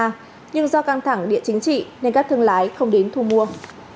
nhưng do căng thẳng địa chính trị nên các thương lái không đến thu mua